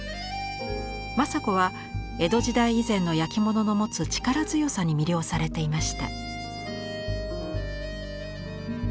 正子は江戸時代以前の焼き物の持つ力強さに魅了されていました。